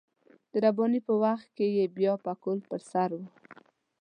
د رباني په وخت کې يې بيا پکول پر سر و.